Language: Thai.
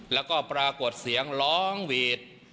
แล้วก็ปรากฏเสียงร้องหวีด